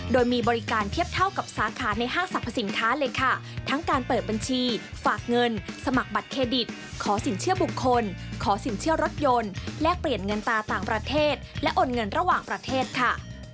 โดยมีบริการเทียบเท่ากับสาขาในห้างสรรพสินค้าเลยค่ะทั้งการเปิดบัญชีฝากเงินสมัครบัตรเครดิตขอสินเชื่อบุคคลขอสินเชื่อรถยนต์แลกเปลี่ยนเงินตาต่างประเทศและโอนเงินระหว่างประเทศค่ะ